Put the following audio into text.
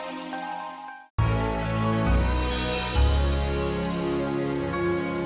ibu sekarang istirahat ya